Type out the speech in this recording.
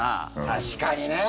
確かにね。